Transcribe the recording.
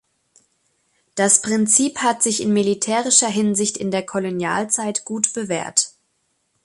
Das Prinzip hat sich in militärischer Hinsicht in der Kolonialzeit gut bewährt.